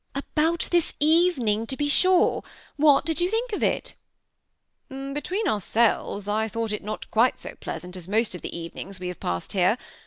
"About this evening, to be sure^. What did you think of it?" " Between ourselves, I thought it not quite so pleas ant as most of the evenings we have passed here.